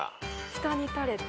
下に垂れて。